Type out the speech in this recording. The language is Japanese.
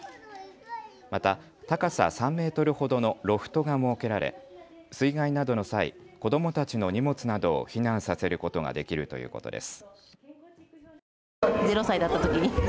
また高さ３メートルほどのロフトが設けられ水害などの際、子どもたちの荷物などを避難させることができるということです。